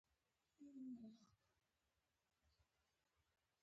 بیکاري څنګه حل کړو؟